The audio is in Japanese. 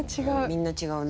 みんな違うね。